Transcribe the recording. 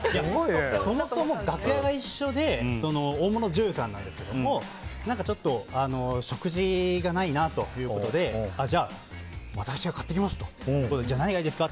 そもそも楽屋が一緒で大物女優さんなんですけどちょっと食事がないなということでじゃあ、私が買ってきますと何がいいですか？